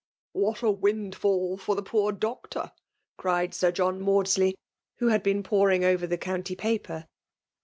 '' What a windfall for the poor Doctor T cried Sir John Maudsley, who had been poring over the county paper.